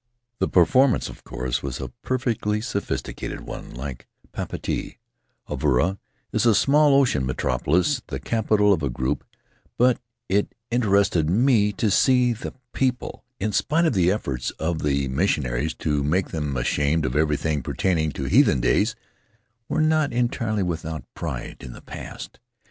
The performance, of course, was a perfectly sophis ticated one — like Papeete, Avarua is a small ocean metropolis, the capital of a group — but it interested me to see that the people, in spite of the efforts of the missionaries to make them ashamed of everything pertaining to heathen days, were not entirely without pride in the past.